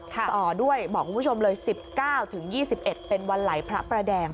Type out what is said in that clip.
ต่อด้วยบอกคุณผู้ชมเลย๑๙๒๑เป็นวันไหลพระประแดง